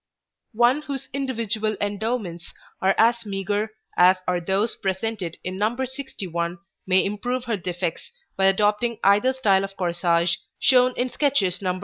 One whose individual endowments are as meagre as are those presented in No. 61 may improve her defects by adopting either style of corsage, shown in sketches Nos.